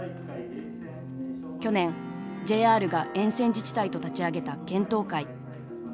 去年ＪＲが沿線自治体と立ち上げた検討会。